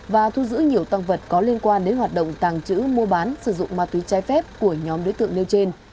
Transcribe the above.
và thu giữ nhiều tăng vật có liên quan đến hoạt động tàng trữ mua bán sử dụng ma túy trái phép của nhóm đối tượng nêu trên